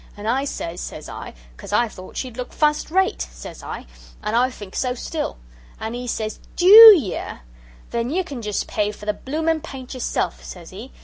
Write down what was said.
And I says, says I, 'Cause I thought she'd look fust rate,' says I, 'and I think so still.' An' he says, 'DEW yer? Then ye can just pay for the bloomin' paint yerself,' says he.